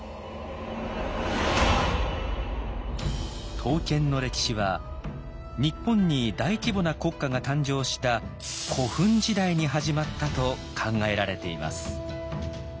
刀剣の歴史は日本に大規模な国家が誕生した古墳時代に始まったと考えられています。